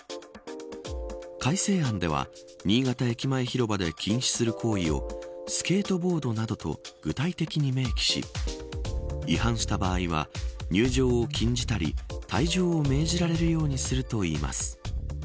改正案では新潟駅前広場で禁止する行為をスケートボードなどと具体的に明記し違反した場合は、入場を禁じたり退場を命じられるようにするといいます。